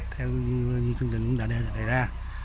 theo như chương trình đã đề ra